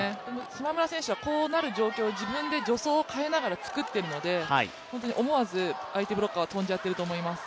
島村選手はこうなる状況を自分で助走を変えながら作っているので本当に思わず相手ブロッカーは飛んでしまっていると思います。